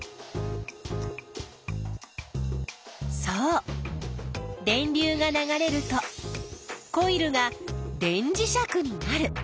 そう電流が流れるとコイルが電磁石になる。